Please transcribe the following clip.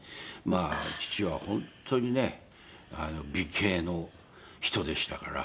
父は本当にね美形の人でしたから。